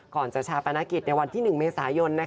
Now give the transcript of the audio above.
ก่อนจะชาปนกิจในวันที่๑เมษายน